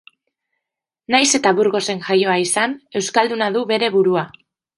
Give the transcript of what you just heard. Nahiz eta Burgosen jaioa izan, euskalduna du bere burua.